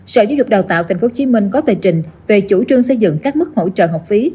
sở giáo dục đào tạo tp hcm có tờ trình về chủ trương xây dựng các mức hỗ trợ học phí